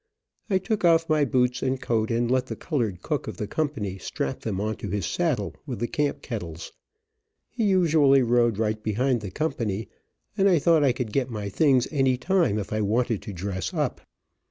I took off my boots and coat and let the colored cook of the company strap them on to his saddle with the camp kettles. He usually rode right behind the company, and I thought I could get my things any time if I wanted to dress up.